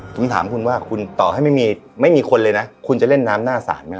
ผมถามคุณว่าคุณต่อให้ไม่มีคนเลยนะคุณจะเล่นน้ำหน้าสารไหม